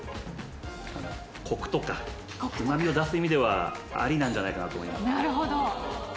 コクとかうま味を出す意味ではありなんじゃないかなと思います。